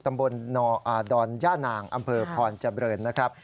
ตำบลดอนย่านางอำเภอพรเจริญนะครับ